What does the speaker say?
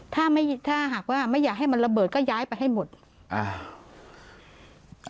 ถ้าไม่ถ้าหากว่าไม่อยากให้มันระเบิดก็ย้ายไปให้หมดอ่า